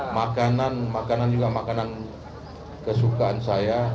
makanan makanan juga makanan kesukaan saya